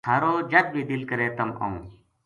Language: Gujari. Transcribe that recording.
تھہارو جد بھی دل کرے تم آؤں